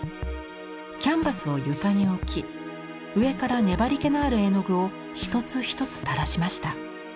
キャンバスを床に置き上から粘りけのある絵の具を一つ一つ垂らしました。